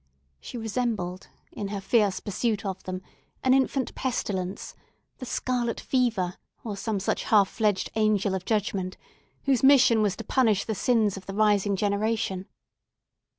She resembled, in her fierce pursuit of them, an infant pestilence—the scarlet fever, or some such half fledged angel of judgment—whose mission was to punish the sins of the rising generation.